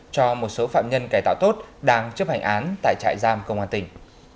cho một số phạm nhân cải tạo tốt đang chấp hành án tại trại giam công an tỉnh